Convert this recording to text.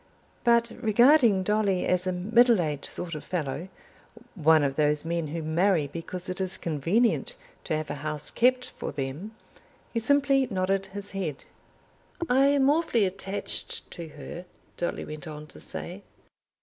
But, regarding Dolly as a middle aged sort of fellow, one of those men who marry because it is convenient to have a house kept for them, he simply nodded his head. "I am awfully attached to her," Dolly went on to say.